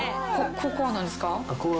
ここは何ですか？